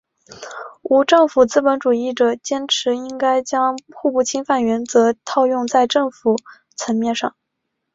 无政府资本主义者坚持应该将互不侵犯原则套用在政府层面上。